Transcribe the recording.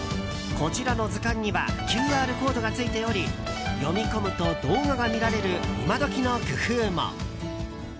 こちらの図鑑にはＱＲコードがついており読み込むと動画が見られる今時の工夫も。